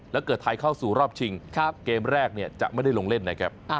แล้วเกิดไทยเข้าสู่รอบชิงเกมแรกจะไม่ได้ลงเล่นนะครับ